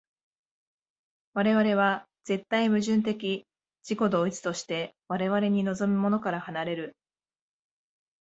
我々は絶対矛盾的自己同一として我々に臨むものから離れる。